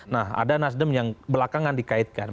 nah ada nasdem yang belakangan dikaitkan